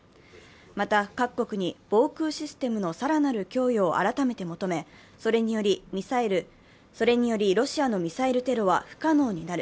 また、各国に防空システムのさらなる供与を改めて求め、それによりロシアのミサイルテロは不可能になる。